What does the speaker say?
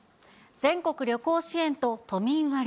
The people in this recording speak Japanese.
全国旅行支援と都民割。